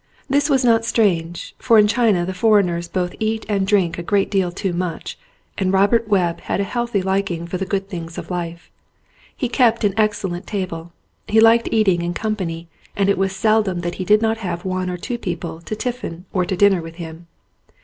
This was not strange, for in China the foreigners both eat and drink a great deal too much, and Robert Webb had a healthy liking for the good things of life. He kept an excellent table. He liked eating in company and it was seldom that he did not have one or two people to tiffin or to dinner with him.